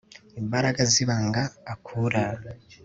imbaraga zibanga akura